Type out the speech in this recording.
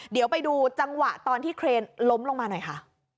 เดี๋ยวไปดูจังหวะตอนที่เครนล้มลงมาหน่อยค่ะ